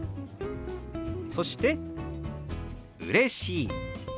そして「うれしい」。